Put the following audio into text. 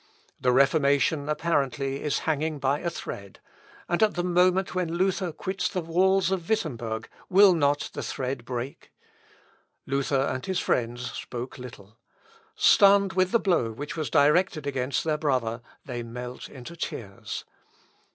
The Reformation apparently is hanging by a thread; and at the moment when Luther quits the walls of Wittemberg, will not the thread break? Luther and his friends spoke little. Stunned with the blow which was directed against their brother, they melt into tears.